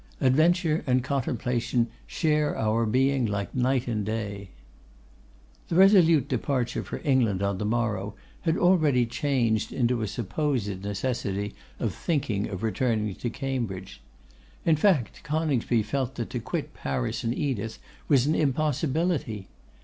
Adventure and Contemplation share our being like day and night.' The resolute departure for England on the morrow had already changed into a supposed necessity of thinking of returning to Cambridge. In fact, Coningsby felt that to quit Paris and Edith was an impossibility.